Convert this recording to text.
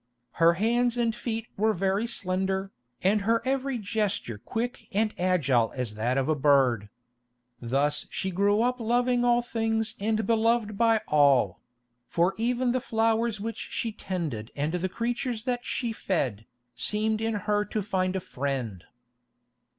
Her hands and feet were very slender, and her every gesture quick and agile as that of a bird. Thus she grew up loving all things and beloved by all; for even the flowers which she tended and the creatures that she fed, seemed in her to find a friend.